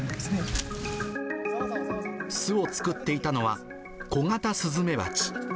巣を作っていたのは、コガタスズメバチ。